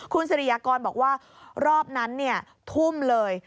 คุณสิริยากรบอกว่ารอบนั้นทุ่มเลย